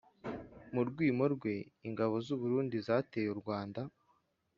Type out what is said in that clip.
mu rwimo rwe ingabo z'u burundi zateye u rwanda